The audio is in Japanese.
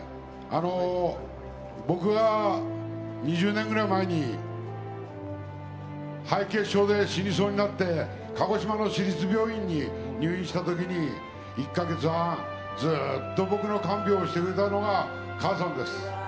僕が２０年くらい前に敗血症で死にそうになった時に鹿児島の市立病院に入院した時に、１か月半ずっと僕の看病をしてくれたのが母さんです。